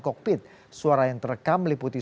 kokpit suara yang terekam meliputi